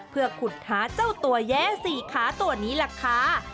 เพื่อขุดหาเจ้าตัวแย้สี่ขาตัวนี้ล่ะค่ะ